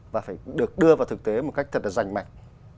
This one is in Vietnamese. và phải được đưa vào thực tế một cách thật là rành mạch